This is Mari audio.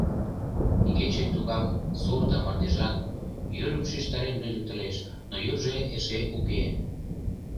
Игече тугак сур да мардежан, йӱрым шижтарен лӱдыктылеш, но йӱржӧ эше уке.